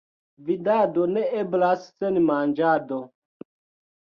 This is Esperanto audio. Vivado ne eblas sen manĝado.